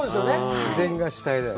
自然が主体だよね。